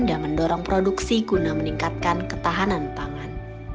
dan mendorong produksi guna meningkatkan ketahanan pangan